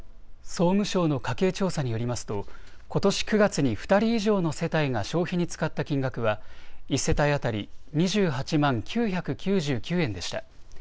総務省の家計調査によりますとことし９月に２人以上の世帯が消費に使った金額は１世帯当たり２８万９９９円でした。